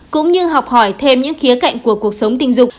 cũng như học hỏi thêm những khía cạnh của cuộc sống tình dục